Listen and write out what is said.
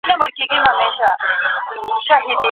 یخې او ګرمې سیمې د خلګو خویونه بدلوي.